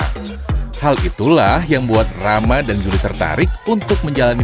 hingga berturut tangan eh dapat uang hal itulah yang buat rama dan duri tertarik untuk menjalani